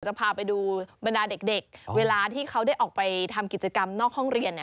จะพาไปดูบรรดาเด็กเวลาที่เขาได้ออกไปทำกิจกรรมนอกห้องเรียน